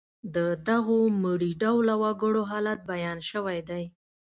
د دغو مري ډوله وګړو حالت بیان شوی دی.